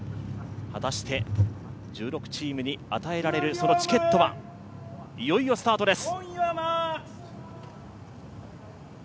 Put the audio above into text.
果たして、１６チームに与えられるそのチケットはいよいよスタートです。